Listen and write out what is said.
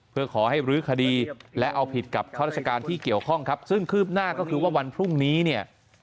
เพื่อขอให้รื้อคดีและเอาผิดกับข้าราชการที่เกี่ยวข้องครับซึ่งคืบหน้าก็คือว่าวันพรุ่งนี้เนี่ย